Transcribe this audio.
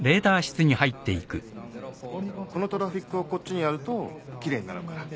このトラフィックをこっちにやると奇麗に並ぶから。